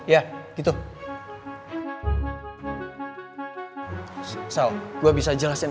sel gue bisa jelasin